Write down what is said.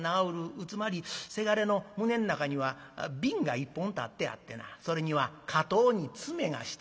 つまりせがれの胸の中には瓶が一本立ってあってなそれには固うに詰めがしてある。